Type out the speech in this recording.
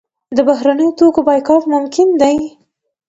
د بهرنیو توکو بایکاټ ممکن دی؟